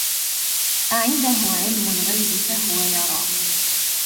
أَعِندَهُ عِلمُ الغَيبِ فَهُوَ يَرى